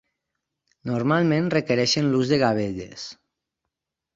Normalment requereixen l'ús de gavelles.